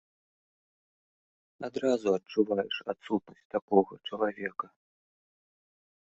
Адразу адчуваеш адсутнасць такога чалавека.